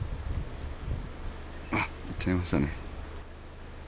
あ、行っちゃいましたね。